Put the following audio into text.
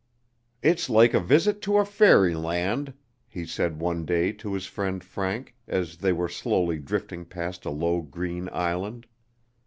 "It's like a visit to a fairy land," he said one day to his friend Frank, as they were slowly drifting past a low green island.